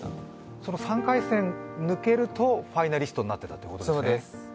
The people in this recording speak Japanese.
その３回戦抜けるとファイナリストになっていたということね。